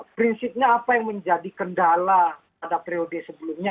prinsipnya apa yang menjadi kendala pada periode sebelumnya